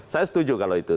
saya setuju kalau itu